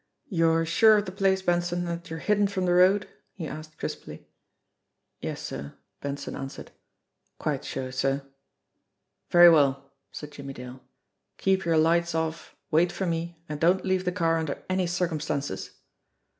"You're sure of the place, Benson, and that you're hidden from the road?" he asked crisply. "Yes, sir," Benson answered. "Quite sure, sir." "Very well!" said Jimmie Dale. "Keep your lights off, wait for me, and don't leave the car under any circum stances."